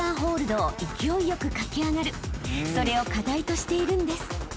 ［それを課題としているんです］